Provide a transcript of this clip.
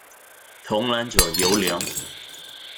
童男者尤良。